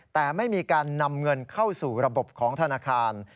แต่ไม่มีการนำเงินเข้าสู่ระบบของธนาคาร